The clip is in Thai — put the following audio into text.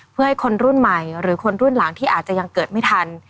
เพื่อให้คนรุ่นใหม่หรือคนรุ่นหลังที่อาจจะยังเกิดไม่ทัน